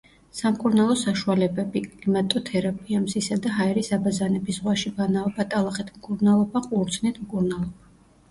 სამკურნალო საშუალებები: კლიმატოთერაპია, მზისა და ჰაერის აბაზანები, ზღვაში ბანაობა, ტალახით მკურნალობა, ყურძნით მკურნალობა.